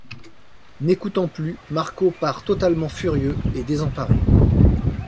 N'écoutant plus, Marco part totalement furieux et désemparé.